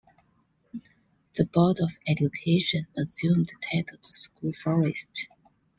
The board of education assumed title to school forest.